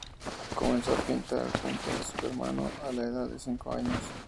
Comenzó a patinar junto a su hermano a la edad de cinco años.